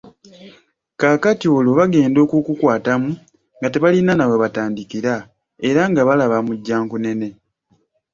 Kaakati olwo bagende okukukwatamo nga tebalina nawebatandikira, era nga balaba "majjankunene!